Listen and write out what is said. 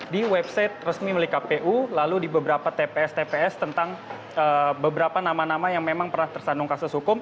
di website resmi milik kpu lalu di beberapa tps tps tentang beberapa nama nama yang memang pernah tersandung kasus hukum